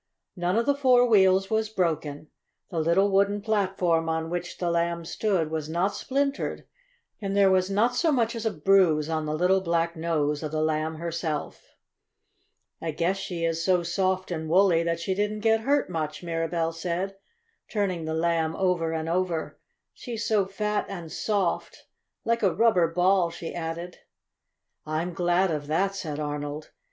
None of the four wheels was broken, the little wooden platform on which the Lamb stood was not splintered, and there was not so much as a bruise on the little black nose of the Lamb herself. "I guess she is so soft and woolly that she didn't get hurt much," Mirabell said, turning the Lamb over and over. "She's so fat and soft like a rubber ball," she added. "I'm glad of that," said Arnold.